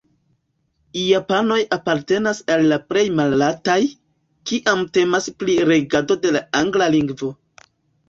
Japanoj apartenas al la plej mallertaj, kiam temas pri regado de la angla lingvo.